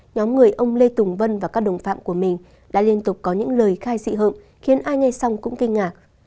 nhóm người ông lê tùng vân và các đồng phạm của mình đã liên tục có những lời khai dị hợm khiến ai nghe xong cũng kinh ngạc